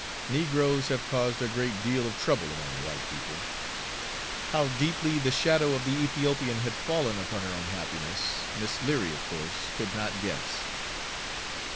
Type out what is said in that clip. Negroes have caused a great deal of trouble among white people. How deeply the shadow of the Ethiopian had fallen upon her own happiness, Miss Leary of course could not guess.